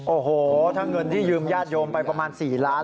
โอ้โหถ้าเงินที่ยืมญาติโยมไปประมาณ๔ล้าน